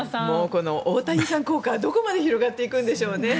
この大谷さん効果どこまで広がっていくんでしょうね